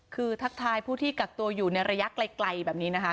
คือทักทายผู้ที่กักตัวอยู่ในระยะไกลแบบนี้นะคะ